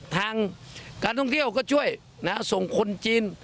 ทางการท่องเที่ยวก็ช่วยส่งคนจีน